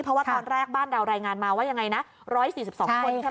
เพราะว่าตอนแรกบ้านเรารายงานมาว่ายังไงนะ๑๔๒คนใช่ไหม